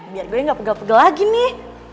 biar gue gak pegel pegel lagi nih